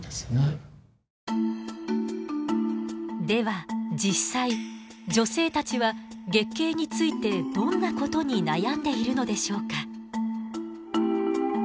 では実際女性たちは月経についてどんなことに悩んでいるのでしょうか。